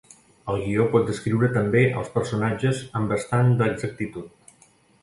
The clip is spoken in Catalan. El guió pot descriure també els personatges amb bastant d'exactitud.